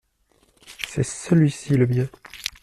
C’est celui-ci le mien.